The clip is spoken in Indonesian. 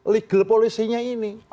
legal polisinya ini